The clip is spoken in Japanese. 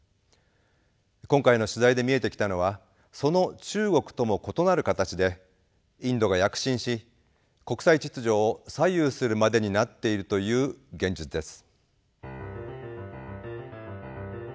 今回の取材で見えてきたのはその中国とも異なる形でインドが躍進し国際秩序を左右するまでになっているという現実です。